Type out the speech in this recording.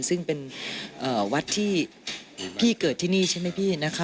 ซึ่งเป็นวัดที่พี่เกิดที่นี่ใช่ไหมพี่นะคะ